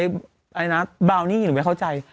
เรื่องนะบราวนี่หรือไงเข้าใจ